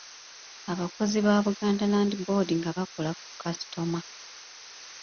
Abakozi ba Buganda Land Board nga bakola ku kasitoma.